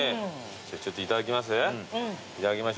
ちょっといただきます？